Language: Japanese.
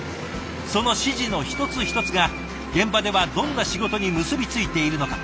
その指示の一つ一つが現場ではどんな仕事に結び付いているのか。